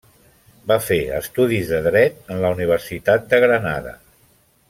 Va fer estudis de dret en la Universitat de Granada.